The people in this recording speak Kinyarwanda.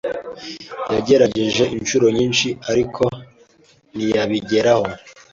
Yagerageje inshuro nyinshi, ariko ntiyabigeraho.